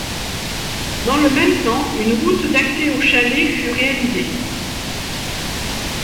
Dans le même temps une route d'accès au chalet fut réalisée.